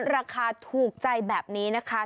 ราคาถูกใจแบบนี้นะคะ